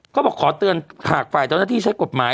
ก็บอกขอเตือนหากฝ่ายเจ้าหน้าที่ใช้กฎหมาย